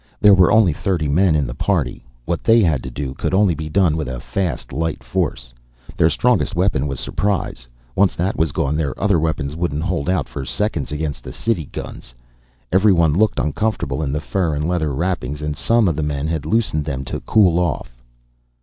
There were only thirty men in the party. What they had to do could only be done with a fast, light force. Their strongest weapon was surprise. Once that was gone their other weapons wouldn't hold out for seconds against the city guns. Everyone looked uncomfortable in the fur and leather wrappings, and some of the men had loosened them to cool off.